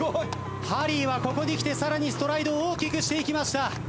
ハリーはここにきてさらにストライドを大きくしていきました。